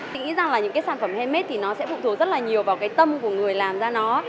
nghĩ rằng là những cái sản phẩm handmade thì nó sẽ phụ thuộc rất là nhiều vào cái tâm của người làm ra nó